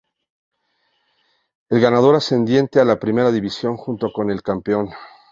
El ganador asciende a la Primera División junto con el campeón.